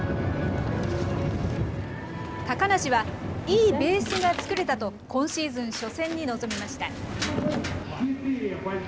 高梨はいいベースが作れたと、今シーズン初戦に臨みました。